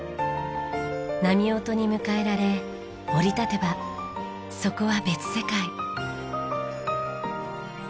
波音に迎えられ降り立てばそこは別世界。